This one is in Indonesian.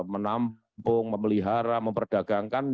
menampung memelihara memperdagangkan